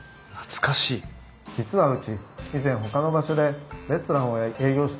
実はうち以前ほかの場所でレストランを営業していたんです。